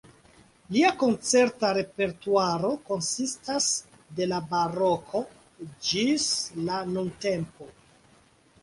Lia koncerta repertuaro konsistas de la baroko ĝis la nuntempo.